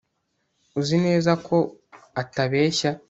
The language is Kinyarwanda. Uzi neza ko atabeshya